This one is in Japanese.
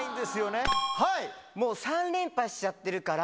もう３連覇しちゃってるから。